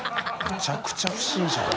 めちゃくちゃ不審者だな。